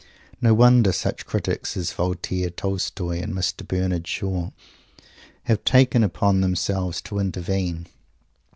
No wonder such critics as Voltaire, Tolstoi, and Mr. Bernard Shaw have taken upon themselves to intervene.